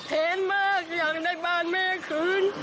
เห็นมากอยากได้บ้านแม่คืน